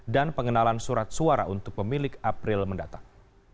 dan pengenalan surat suara untuk pemilik april mendatang